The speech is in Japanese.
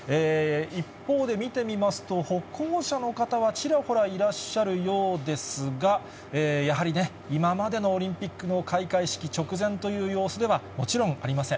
一方で見てみますと、歩行者の方はちらほらいらっしゃるようですが、やはりね、今までのオリンピックの開会式直前という様子ではもちろんありません。